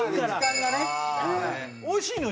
おいしいのよ！